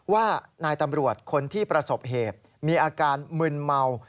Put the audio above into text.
ว่านายตำรวจคนที่ประสบเหตุมีอาการมึนเมา